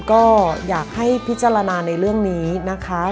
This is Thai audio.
ก็อยากให้พิจารณาในเรื่องนี้นะคะ